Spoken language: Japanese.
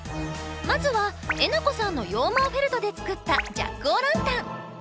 まずはえなこさんの羊毛フェルトで作ったジャック・オ・ランタン。